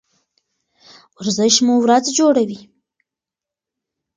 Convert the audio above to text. ورزش مو ورځ جوړوي.